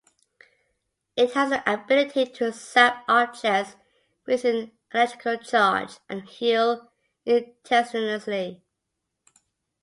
It has the ability to zap objects with an electrical charge and heal instantaneously.